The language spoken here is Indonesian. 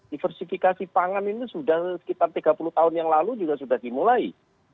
diversifikasi pangan ini sudah sekitar tiga puluh tahun yang lalu sudah dimulai